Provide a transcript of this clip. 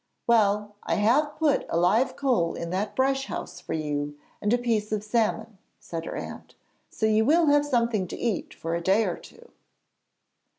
'Well, I have put a live coal in that brush house for you and a piece of salmon,' said her aunt, 'so you will have something to eat for a day or two.'